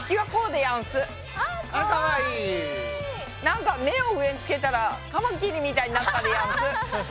なんか目を上につけたらカマキリみたいになったでやんす。